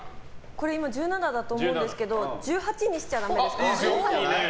今、１７だと思うんですけど１８にしちゃダメですか。